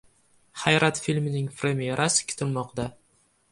«Hayrat» filmining premerasi kutilmoqda